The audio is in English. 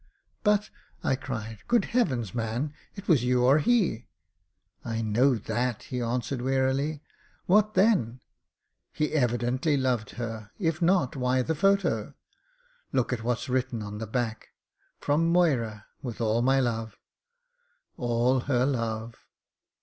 "But," I cried, "good heavens! man — ^it was you or he." "I know that," he answered, wearily. "What then? He evidently loved her; if not — ^why the photo. Look at what's written on the back — ^'From Moyra — ^with all my love.' All her love.